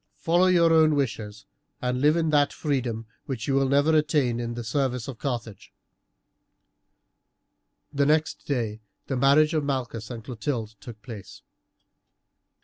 Follow your own wishes, and live in that freedom which you will never attain in the service of Carthage." The next day the marriage of Malchus and Clotilde took place.